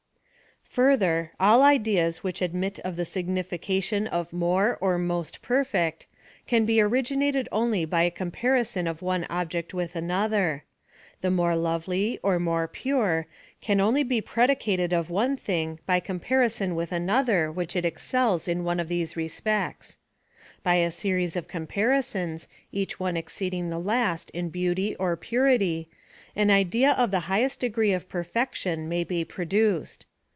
Further, all ideas which admit of the significa tion of more or most perfect, can be originated only by a comparison of one object with another. More lovely, or more pure, can only be predicated of one thing by comparison with another which it excels in one of these respects. By a series of compari sons, each one exceeding the last in beauty or purity, an idea of the highest degree of perfection may be produced.